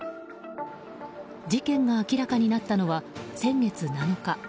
事件が明らかになったのは先月７日。